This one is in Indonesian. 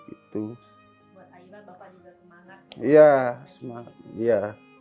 itu iya semangat dia